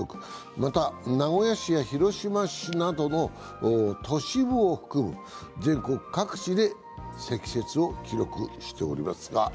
また、名古屋市や広島市などの都市部を含む、全国各地で積雪を記録しています。